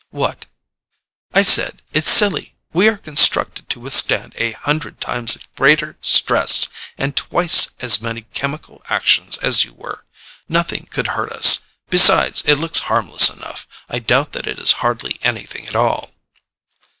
"What?" "I said, it's silly. We are constructed to withstand a hundred times greater stress, and twice as many chemical actions as you were. Nothing could hurt us. Besides, it looks harmless enough. I doubt that it is hardly anything at all."